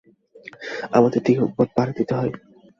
আমাদের দীর্ঘপথ পাড়ি দিতে হবে।